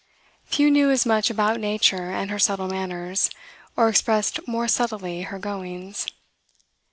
Few knew as much about nature and her subtle manners, or expressed more subtly her goings.